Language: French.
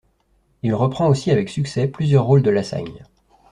Il reprend aussi avec succès plusieurs rôles de Lassagne.